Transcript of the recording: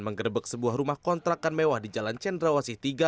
menggerebek sebuah rumah kontrakan mewah di jalan cendrawasih tiga